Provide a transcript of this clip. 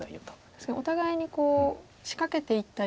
確かにお互いに仕掛けていったり。